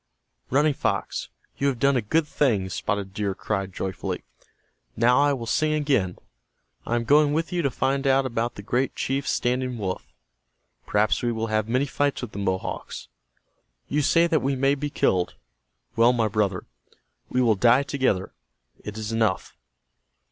"Running Fox, you have done a good thing," Spotted Deer cried, joyfully. "Now I will sing again. I am going with you to find out about the great chief Standing Wolf. Perhaps we will have many fights with the Mohawks. You say that we may be killed. Well, my brother, we will die together. It is enough."